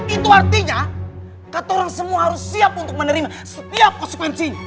itu artinya kata orang semua harus siap untuk menerima setiap konsekuensinya